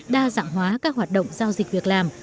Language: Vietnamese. đa dạng hóa các hoạt động giao dịch việc làm